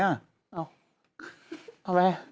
อ้าวอะไร